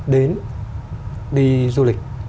đến đi du lịch